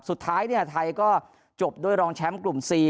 สุดท้ายไทยก็จบด้วยรองแชมป์กลุ่ม๔